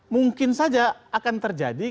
mungkin saja akan terjadi